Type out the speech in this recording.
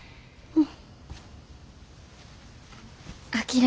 うん。